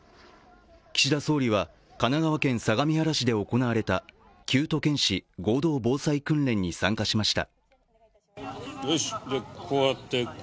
岸田総理は神奈川県相模原市で行われた９都県市合同防災訓練に参加しました。